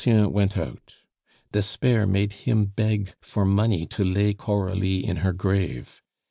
Lucien went out. Despair made him beg for money to lay Coralie in her grave.